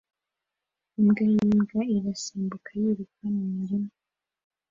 Imbwa y'imbwa irasimbuka yiruka mu murima